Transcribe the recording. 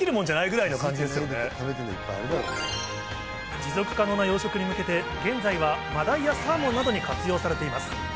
持続可能な養殖に向けて現在はマダイやサーモンなどに活用されています。